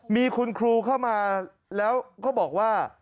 มีคุณครูเข้ามาแล้วก็บอกว่า